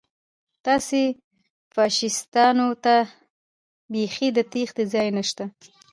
تاسې فاشیستانو ته بیخي د تېښتې ځای نشته